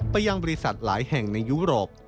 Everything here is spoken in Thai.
ไปยังบริษัทหลายแห่งในยุโรป